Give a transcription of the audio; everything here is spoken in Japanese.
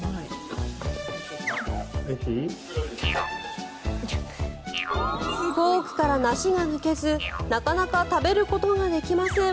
フォークから梨が抜けずなかなか食べることができません。